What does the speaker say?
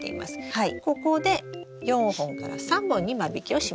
ここで４本から３本に間引きをします。